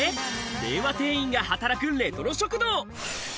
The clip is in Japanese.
令和店員が働くレトロ食堂！